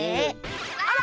あら！